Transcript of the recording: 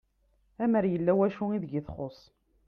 Amer yella wacu deg i txuss